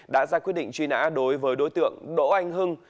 đã ra quyết định truy nã đối với đối tượng đỗ anh hưng